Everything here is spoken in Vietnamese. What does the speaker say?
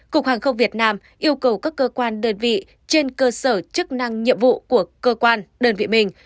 cục hàng không việt nam yêu cầu các cơ quan đơn vị trên cơ sở chức năng nhiệm vụ của cơ quan đơn vị mình